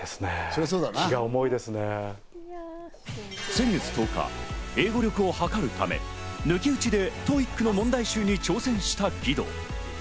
先月１０日、英語力をはかるため、抜き打ちでＴＯＥＩＣの問題集に挑戦した義堂。